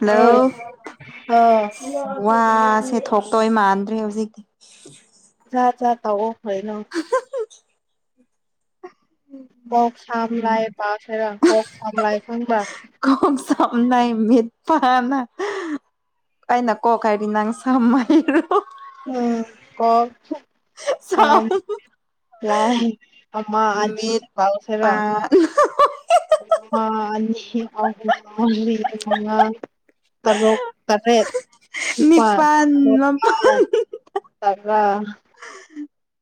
Hello ꯑꯧ ꯑꯧ ꯋꯥꯁꯦ ꯊꯣꯛꯇꯣꯏ ꯃꯥꯟꯗ꯭ꯔꯦ ꯍꯧꯖꯤꯛꯇꯤ ꯆꯥ ꯆꯥ ꯇꯧꯋꯣ ꯀꯩꯅꯣ ꯀꯣꯛ ꯁꯝ ꯂꯥꯏ ꯄꯥꯁꯦꯔ ꯀꯣꯛ ꯁꯝ ꯂꯥꯏ ꯈꯪꯕ꯭ꯔꯥ ꯀ ꯁ ꯂ ꯃ ꯄ ꯅ ꯑꯩꯅ ꯀꯣꯛ ꯍꯥꯏꯗꯤ ꯅꯪ ꯁꯝ ꯍꯥꯏꯔꯣ ꯎꯝ ꯀꯣꯛ ꯁꯝ ꯂꯥꯏ ꯑꯃ ꯑꯅꯤ ꯃꯤꯠ ꯁꯨ ꯇꯧꯁꯤꯔ ꯄꯥꯟ [unintelligible] ꯇꯔꯣꯛ ꯇꯔꯦ ꯏꯄꯥꯥꯟ ꯅꯤꯄꯥꯟ ꯃꯥꯄꯟ ꯃꯄꯥꯟ ꯇꯥ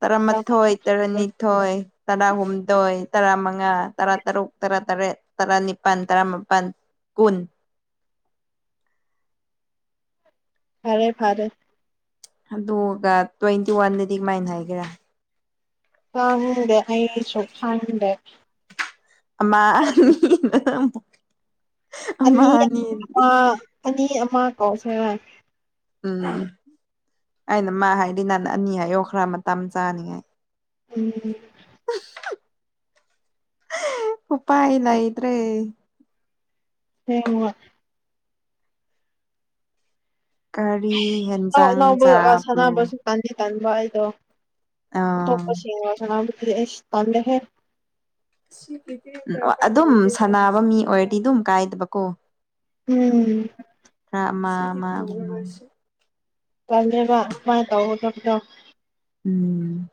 ꯇꯔꯥꯃꯊꯣꯣꯏ ꯇꯔꯅꯤꯊꯣꯏ ꯇꯔꯥꯍꯨꯝꯗꯣꯏ ꯇꯔꯥꯃꯉꯥ ꯇꯔꯥ ꯇꯔꯨꯛ ꯇꯔꯥ ꯇꯔꯦꯠ ꯇꯔꯥꯅꯤꯄꯥꯜ ꯇꯔꯥꯃꯥꯄꯜ ꯀꯨꯟ ꯐꯔꯦ ꯐꯔꯦ ꯑꯗꯨꯒ ꯇ꯭ꯋꯦꯟꯇꯤ ꯋꯥꯟꯗꯗꯤ ꯀꯃꯥꯏꯅ ꯍꯥꯏꯒꯦꯔꯥ ꯀꯗ ꯑꯁꯨꯁꯨ ꯀꯗ ꯑꯃ ꯃꯤ ꯑꯅꯤ ꯑꯃ ꯑꯅꯤ ꯑꯃ ꯀꯧ ꯁꯦꯔ ꯎꯝ ꯑꯩꯅ ꯃꯥ ꯍꯥꯏꯗꯤ ꯅꯪꯅ ꯑꯅꯤ ꯍꯥꯏꯌꯣ ꯈꯔ ꯃꯇꯝ ꯆꯥꯅꯤꯡꯉꯥꯏ ꯎꯝ ꯎꯄꯥꯏ ꯂꯩꯇ꯭ꯔꯦ ꯍꯌꯦꯡꯋ ꯀꯥꯔꯤ ꯍꯦꯟꯖꯥꯡ ꯆꯥꯕ꯭ꯔꯣ ꯇꯥꯟꯗꯤ ꯇꯟꯕ ꯑꯩꯗꯣ ꯑꯥ ꯑꯇꯣꯞꯄꯁꯤꯡꯒ ꯁꯅꯥꯕꯗꯨꯗꯤ ꯑꯩꯁ ꯇꯜꯂꯦꯍꯦ ꯑꯣ ꯑꯗꯨꯝ ꯁꯥꯟꯅꯕ ꯃꯤ ꯑꯣꯏꯔꯗꯤ ꯑꯗꯨꯝ ꯀꯥꯏꯗꯕꯀꯣ ꯎꯝ ꯐꯥ ꯃ ꯃꯥꯥ ꯇꯜꯂꯦꯕ ꯁꯨꯃꯥꯥꯏ ꯇꯧꯒꯗꯕꯗꯣ ꯎꯝ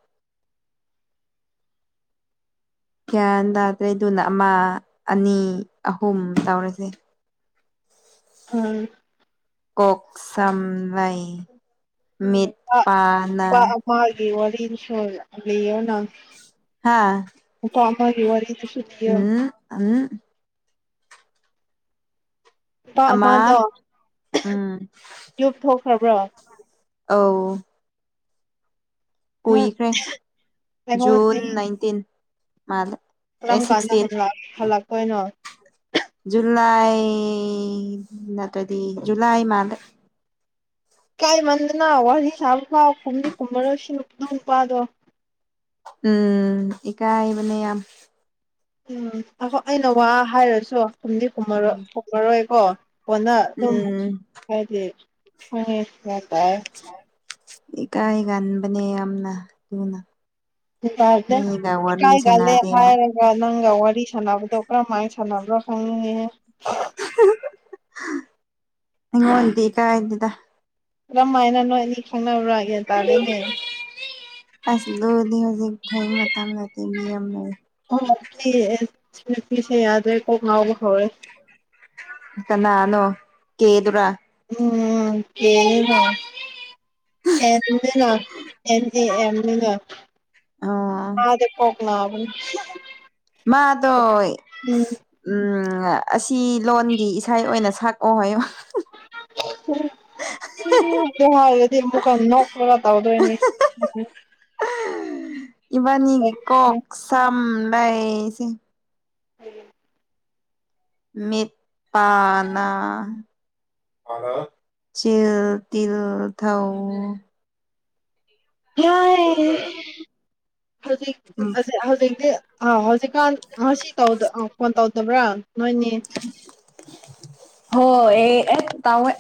ꯒ꯭ꯌꯥꯟ ꯇꯥꯗ꯭ꯔꯦꯗꯨꯅ ꯑꯃ ꯑꯅꯤ ꯑꯍꯨꯝ ꯇꯧꯔꯤꯁꯦ ꯍꯝ ꯀꯣꯛ ꯁꯝ ꯂꯥꯏ ꯃꯤꯠ ꯄꯥꯅ [unintelligible] ꯅꯨꯄꯥ ꯍꯥ ꯑꯃꯒꯤ ꯋꯥꯔꯤꯗꯨꯁꯨ ꯂꯤꯌꯣ ꯎꯝ ꯎꯝ ꯅꯨꯄꯥ ꯑꯃ ꯑꯃꯗꯣ ꯎꯝ ꯌꯨꯝ ꯊꯣꯛꯈ꯭ꯔꯕ꯭ꯔꯣ ꯑꯧ ꯅꯪ ꯀꯨꯏꯈ꯭ꯔꯦ ꯑꯩꯉꯣꯟ ꯖꯨꯟ ꯑꯩ ꯅꯥꯏꯟꯇꯤꯟ ꯃꯥꯗ ꯑꯦ ꯀꯔꯝ ꯀꯥꯟꯗ ꯁꯤꯛꯁꯇꯤꯟ ꯍꯜꯂꯛ ꯍꯜꯂꯛꯇꯣꯏꯅꯣ ꯖꯨꯜꯂꯥꯏ ꯅꯠꯇ꯭ꯔꯗꯤ ꯖꯨꯜꯂꯥꯏ ꯃꯥꯂꯦ ꯏꯀꯥꯏꯃꯟꯗꯅ ꯋꯥꯔꯤ ꯁꯥꯕ ꯐꯥꯎ ꯈꯨꯝꯗꯤ ꯀꯨꯝꯃꯔꯣꯏꯁꯤ ꯗꯨ ꯅꯨꯄꯥꯗꯣ ꯎꯝ ꯏꯀꯥꯏ ꯕꯅꯦ ꯌꯥꯝ ꯎꯝ ꯑꯩꯅ ꯋꯥ ꯍꯥꯏꯔꯁꯨ ꯈꯨꯝꯗꯤ ꯈꯨꯝꯃꯔꯣꯏ ꯈꯨꯝꯃꯔꯣꯏꯀꯣ ꯐꯣꯟꯗ ꯑꯗꯨꯝ ꯎꯝ ꯍꯥꯏꯗꯤ ꯒꯤꯌꯥꯟꯇꯥꯏ ꯏꯀꯥꯏ ꯉꯟꯕꯅꯦ ꯌꯥꯝꯅ ꯗꯨꯅ ꯌꯥꯗꯦ ꯏꯀꯥꯏꯂꯦ ꯁꯥꯟꯅꯗꯦ ꯍꯥꯏ ꯃ ꯅꯪꯒ ꯋꯥꯔꯤ ꯁꯥꯟꯅꯕꯗꯣ ꯀꯔꯝꯍꯥꯏ ꯁꯥꯟꯅꯕ꯭ꯔꯣ ꯈꯪꯅꯤꯡꯉꯦꯍꯦ ꯑꯩꯉꯣꯟꯗꯤ ꯏꯀꯥꯏꯗꯦꯗ ꯀꯔꯝ ꯍꯥꯏꯅ ꯅꯣꯏ ꯑꯅꯤ ꯈꯪꯅꯕꯔꯥ ꯒꯤꯌꯥꯟ ꯇꯥꯗꯦꯅꯦ ꯑꯁ ꯗꯨꯗꯤ ꯍꯧꯖꯤꯛ ꯊꯦꯡ ꯃꯇꯝ ꯅꯇꯦ ꯃꯤ ꯌꯥꯝ ꯂꯩ ꯑꯣ ꯁꯤꯑꯦ ꯁꯤꯅꯨꯄꯤꯁꯦ ꯌꯥꯗꯦ ꯀꯣꯛ ꯉꯥꯎꯕ ꯍꯧꯋꯦ ꯀꯟꯅꯅꯣ ꯀꯦ ꯑꯗꯨꯔꯥ ꯎꯝ ꯀꯦꯒ ꯑꯦꯟꯒ ꯑꯦꯟ ꯑꯦꯑꯦꯝ ꯗꯨꯒ ꯑ ꯑꯥꯗ ꯀꯣꯛꯉꯥꯎꯕꯅꯤ ꯃꯥꯗꯣꯏ ꯎꯝ ꯎꯝ ꯑꯁꯤ ꯂꯣꯟꯒꯤ ꯏꯁꯩ ꯑꯣꯏꯅ ꯁꯛꯑꯣ ꯍꯥꯏꯌꯣ ꯎꯝ ꯑꯗꯨ ꯍꯥꯏꯔꯗꯤ ꯑꯃꯨꯛꯀ ꯅꯣꯛꯂꯒ ꯇꯧꯗꯣꯏꯅꯤ ꯏꯕꯥꯅꯤꯒꯤ ꯀꯣꯛ ꯁꯝ ꯂꯩꯏꯁꯦ ꯎꯝ ꯃꯤꯠ ꯄꯥ ꯅꯥ ꯆꯤꯜ ꯇꯤꯜ ꯊꯧ ꯍꯧꯖꯤꯛ ꯑꯖꯦ ꯍꯧꯖꯤꯛꯇꯤ ꯑꯥ ꯍꯧꯖꯤꯛꯀꯥꯟ ꯉꯁꯤ ꯇꯧꯗ ꯐꯣꯟ ꯇꯧꯗꯕ꯭ꯔꯥ ꯅꯣꯏꯅꯤ꯫ ꯍꯣ ꯌꯦ ꯑꯦ ꯇꯧꯑꯦ꯫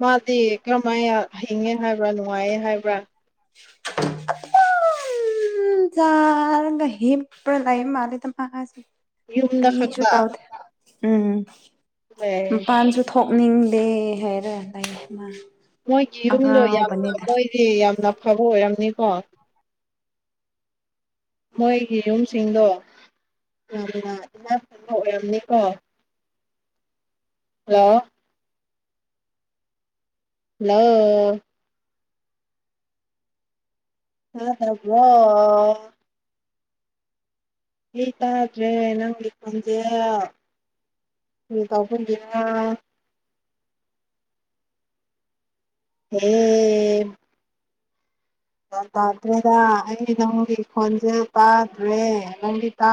ꯃꯥꯗꯤ ꯀꯔꯝꯍꯥꯏꯅ ꯍꯤꯡꯉꯦ ꯍꯥꯏꯕ꯭ꯔꯥ ꯅꯨꯡꯉꯥꯏꯌꯦ ꯍꯥꯏꯕ꯭ꯔꯥ꯫ [inaudible] ꯎꯝ ꯆꯔꯒ ꯍꯤꯞ ꯂꯩ ꯃꯥꯜꯂꯦꯗ ꯃꯥꯁꯦ꯫ ꯌꯨꯝꯗ ꯀ꯭ꯔꯤꯁꯨ ꯈꯛꯇ ꯇꯥꯎꯗꯦ ꯎꯝ ꯑꯝ ꯑꯦ ꯄꯥꯟꯁꯨ ꯊꯣꯛꯅꯤꯡꯗꯦ ꯍꯥꯏꯔ ꯂꯩ ꯃꯥ꯫ ꯃꯣꯏꯒꯤ ꯌꯨꯝꯗꯣ ꯌꯥꯝꯅ ꯑꯉꯥꯎꯕꯅꯤꯗ ꯃꯣꯏꯗꯤ ꯌꯥꯝꯅ ꯐꯕ ꯑꯣꯏꯔꯝꯅꯤꯀꯣ꯫ ꯃꯣꯏꯒꯤ ꯌꯨꯝꯁꯤꯡꯗꯣ꯫ ꯌꯥꯝꯅ [unintelligible] ꯑꯣꯏꯔꯝꯅꯤꯀꯣ ꯂꯥꯑꯣ꯫ ꯂꯥꯋꯣ꯫ ꯇꯗꯕ꯭ꯔꯣ꯫ ꯌꯤ ꯇꯥꯗ꯭ꯔꯦ ꯅꯪꯒꯤ ꯈꯣꯟꯖꯦꯜ [unintelligible] ꯌꯦ꯫ ꯇꯥꯗ꯭ꯔꯦꯗ ꯑꯩ ꯅꯪꯒꯤ ꯈꯣꯟꯁꯦ ꯇꯥꯗ꯭ꯔꯦ ꯅꯪꯗꯤ ꯇꯥ